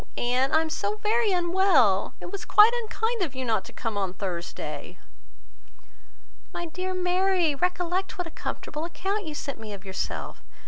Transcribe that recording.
Anne, I am so very unwell! It was quite unkind of you not to come on Thursday." "My dear Mary, recollect what a comfortable account you sent me of yourself!